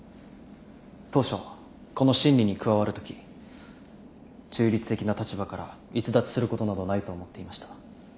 当初この審理に加わるとき中立的な立場から逸脱することなどないと思っていました。